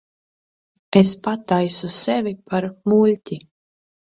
Es pataisu sevi par muļķi.